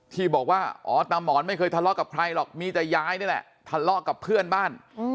ที่บอกว่าอ๋อตามอนไม่เคยทะเลาะกับใครหรอกมีแต่ยายนี่แหละทะเลาะกับเพื่อนบ้าน